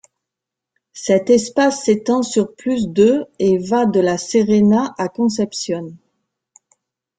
Cet espace s’étend sur plus de et va de La Serena à Concepción.